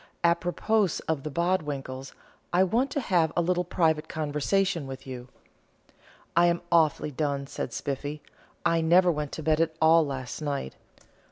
Apropos of the Bodwinkles, I want to have a little private conversation with you." "I am awfully done," said Spiffy. "I never went to bed at all last night.